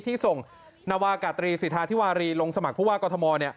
ที่ส่งนวากาตรีสิทธาธิวารีลงสมัครผู้ว่ากอทม